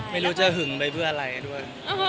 ไม่รู้จะหึงไปเพื่ออะไรด้วย